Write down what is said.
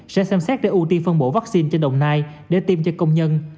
sẽ xem xét để ưu tiên phân bổ vaccine cho đồng nai để tiêm cho công nhân